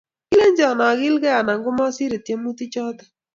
Kilenji agilge anan komasirei tyemutichoto